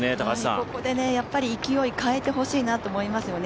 ここで勢いを変えてほしいなと思いますよね。